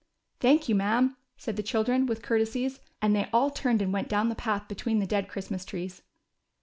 Thank you, ma'am," said the children with courtesies, and they all turned and went down the path between the dead Christmas trees.